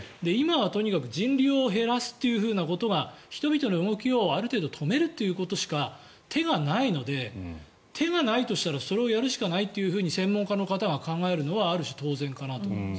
今は人流を減らすことが人々の動きを止めることしか手がないので手がないとしたらそれをやるしかないと専門家の方が考えるのはある種、当然かなと。